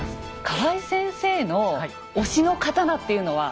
河合先生の推しの刀っていうのは。